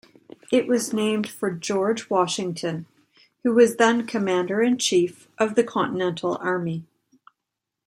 It was named for George Washington, who was then commander-in-chief of the Continental Army.